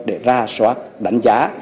để ra soát đánh giá